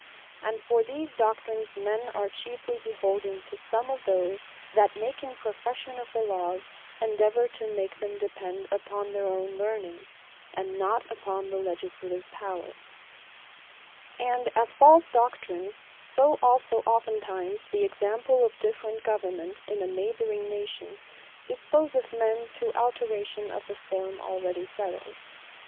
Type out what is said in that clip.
And for these doctrines, men are chiefly beholding to some of those, that making profession of the Lawes, endeavour to make them depend upon their own learning, and not upon the Legislative Power. Imitation Of Neighbour Nations And as False Doctrine, so also often times the Example of different Government in a neighbouring Nation, disposeth men to alteration of the forme already setled.